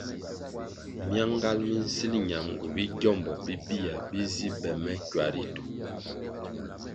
Myangal mi nsil ñamgu bi gyómbo bibia bi zi be me kywa ritu.